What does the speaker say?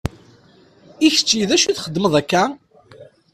I kečči d acu i txeddmeḍ akka?